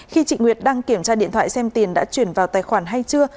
khi chị nguyệt đang kiểm tra điện thoại xem tiền đã chuyển vào tài khoản hay chưa